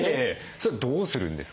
それどうするんですか？